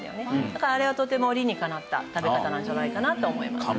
だからあれはとても理にかなった食べ方なんじゃないかなと思います。